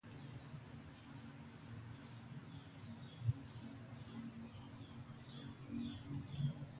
Many cities and states set up research bureaus to apply the latest results.